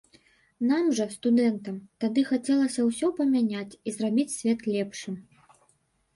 Нам жа, студэнтам, тады хацелася ўсё памяняць і зрабіць свет лепшым.